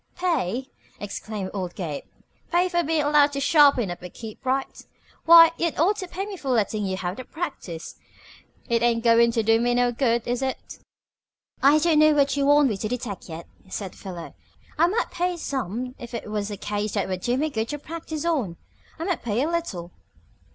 "Pay!" exclaimed old Gabe. "Pay for bein' allowed to sharpen up and keep bright? Why, you'd ought to pay me for lettin' you have the practice. It ain't goin' to do me no good, is it?" "I don't know what you want me to detect yet," said Philo. "I might pay some if it was a case that would do me good to practice on. I might pay a little."